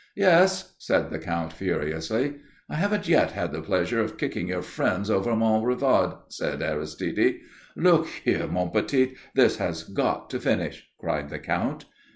"Yes," said the Count furiously. "I haven't yet had the pleasure of kicking your friends over Mont Revard," said Aristide. "Look here, mon petit, this has got to finish," cried the Count.